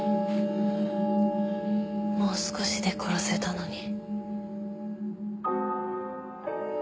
もう少しで殺せたのに。